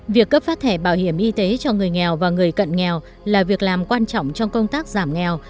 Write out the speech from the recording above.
việc cấp phát thẻ bảo hiểm y tế cho người nghèo và người cận nghèo là việc làm quan trọng trong công tác giảm nghèo